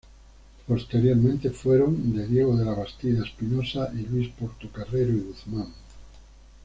Posteriormente, fueron de Diego de la Bastida Espinosa y Luisa Portocarrero y Guzmán.